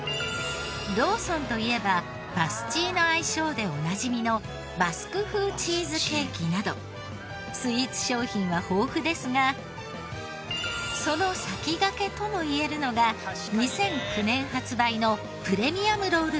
ローソンといえばバスチーの愛称でおなじみのバスク風チーズケーキなどスイーツ商品は豊富ですがその先駆けともいえるのが２００９年発売のプレミアムロールケーキ。